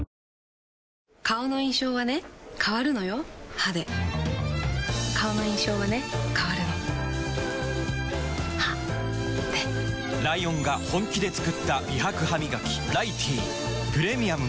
歯で顔の印象はね変わるの歯でライオンが本気で作った美白ハミガキ「ライティー」プレミアムも